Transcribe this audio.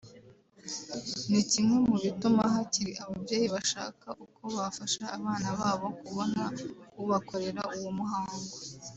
ni kimwe mu bituma hakiri ababyeyi bashaka uko bafasha abana babo kubona ubakorera uwo muhango